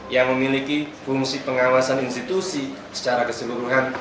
yang memiliki fungsi pengawasan institusi secara keseluruhan